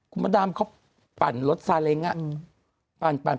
คุณมดามเขาปั่นรถทานซาเรง